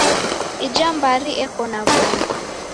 Ija mbari eko na w'ongo.